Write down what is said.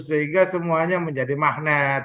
sehingga semuanya menjadi magnet